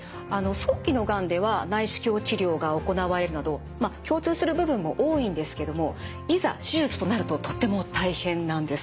早期のがんでは内視鏡治療が行われるなど共通する部分も多いんですけどもいざ手術となるととっても大変なんです。